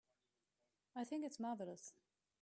I think it's marvelous.